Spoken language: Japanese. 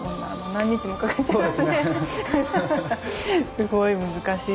すごい難しい。